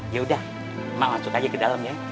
ya udah emak lanjut aja ke dalam ya